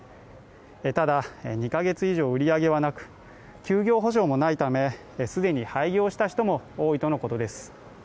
ただ２ヶ月以上売り上げはなく、休業補償もないため既に廃業した人も多いとのことです。